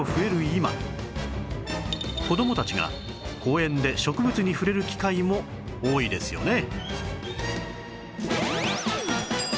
今子どもたちが公園で植物に触れる機会も多いですよね